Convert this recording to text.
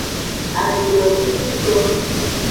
Adidovivido.